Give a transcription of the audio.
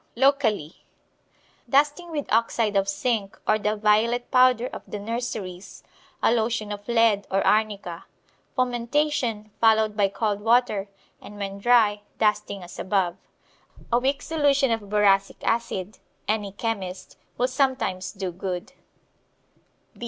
Locally Dusting with oxide of zinc or the violet powder of the nurseries, a lotion of lead, or arnica. Fomentation, followed by cold water, and, when dry, dusting as above. A weak solution of boracic acid (any chemist) will sometimes do good.